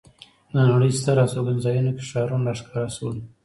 د نړۍ ستر استوګنځایونو کې ښارونه را ښکاره شول.